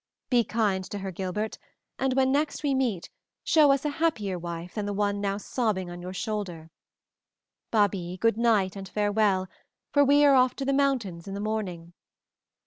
Be kind to her, Gilbert, and when next we meet show us a happier wife than the one now sobbing on your shoulder. Babie, good night and farewell, for we are off to the mountains in the morning."